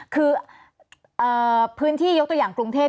คือพื้นที่ยกตัวอย่างกรุงเทพ